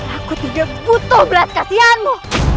aku tidak butuh belas kasihanmu